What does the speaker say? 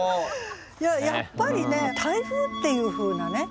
やっぱりね「台風」っていうふうなね